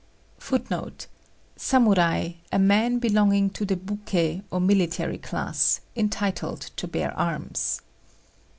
" [Footnote 5: Samurai, a man belonging to the Buké or military class, entitled to bear arms.